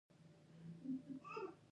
تور غر په پکتیا کې موقعیت لري